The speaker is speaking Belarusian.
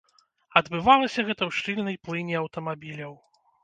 Адбывалася гэта ў шчыльнай плыні аўтамабіляў.